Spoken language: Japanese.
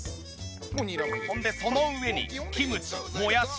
ほんでその上にキムチもやし